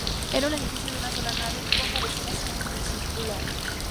Era un edificio de una sola nave, con cabecera semicircular.